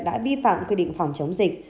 đã vi phạm quy định phòng chống dịch